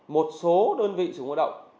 một số đơn vị chủ ngôi động